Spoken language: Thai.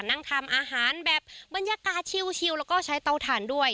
นั่งทำอาหารแบบบรรยากาศชิวแล้วก็ใช้เตาถ่านด้วย